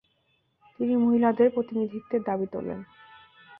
তিনি মহিলাদের প্রতিনিধিত্বের দাবি তোলেন।